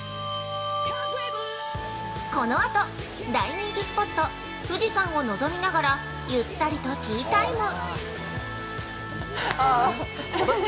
このあと、大人気スポット、富士山を望みながらゆったりとティータイム！